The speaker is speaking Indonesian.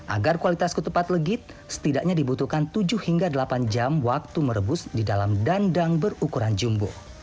agar kualitas ketupat legit setidaknya dibutuhkan tujuh hingga delapan jam waktu merebus di dalam dandang berukuran jumbo